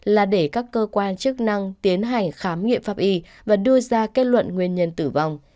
là để các cơ quan chức năng tiến hành khám nghiệm pháp y và đưa ra kết luận nguyên nhân tử vong